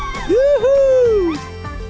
wah benar benar menegangkan